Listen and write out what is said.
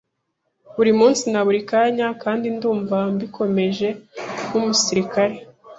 buri munsi na buri kanya kandi ndumva mbikomeje nk’umusirikare